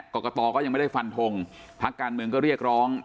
กรกตก็ยังไม่ได้ฟันทงพักการเมืองก็เรียกร้อง